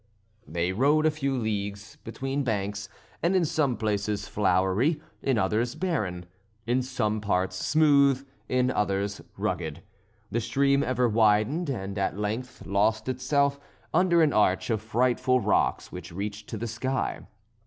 They rowed a few leagues, between banks, in some places flowery, in others barren; in some parts smooth, in others rugged. The stream ever widened, and at length lost itself under an arch of frightful rocks which reached to the sky.